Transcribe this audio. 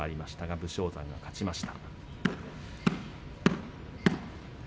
武将山が勝ちました。